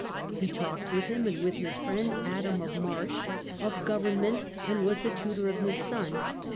He talked with him, and with his friend Adam of Marsh, of government, and was the tutor of his son.